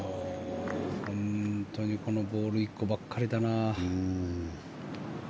本当にこのボール１個ばっかりだな。